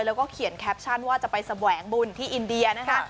แล้วก็เขียนแคปชั่นว่าจะไปแสวงบุญที่อินเดียนะคะ